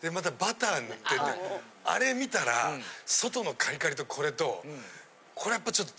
あれ見たら外のカリカリとこれとこれやっぱりちょっと。